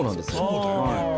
そうだよね。